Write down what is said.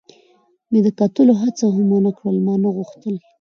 مې د کتلو هڅه هم و نه کړل، ما نه غوښتل.